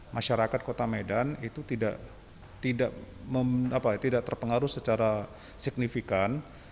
masyarakat kota medan itu tidak terpengaruh secara signifikan